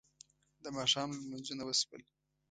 د ماښام لمونځونه وشول.